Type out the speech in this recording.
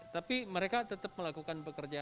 tapi mereka tetap melakukan pekerjaan